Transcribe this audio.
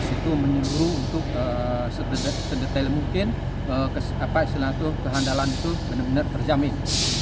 itu menyuruh untuk sedetail mungkin istilah itu kehandalan itu benar benar terjamin